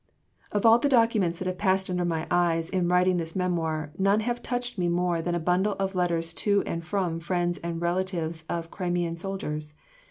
II Of all the documents that have passed under my eyes in writing this memoir, none have touched me more than a bundle of letters to and from friends and relatives of Crimean soldiers.